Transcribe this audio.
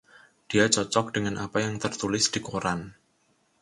Dia cocok dengan apa yang tertulis di koran.